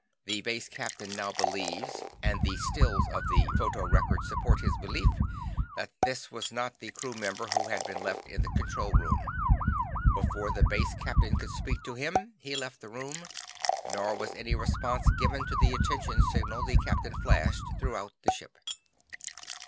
The Base Captain now believes, and the stills of the photorecord support his belief, that this was not the crew member who had been left in the control room. Before the Base Captain could speak to him he left the room, nor was any response given to the attention signal the Captain flashed throughout the ship.